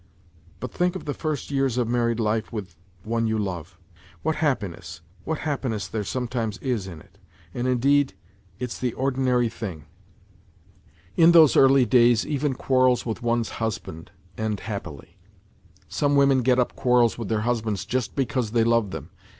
But think of the first years of married life with one you love : what happiness, what happiness there sometimes is in it t And indeed it's the ordinary 126 NOTES FROM UNDERGROUND thing. In those early days even quarrels with one's husband end happily. Some women get up quarrels with their husbands just because they love them.